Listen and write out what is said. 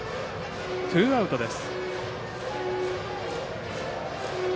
ツーアウトです。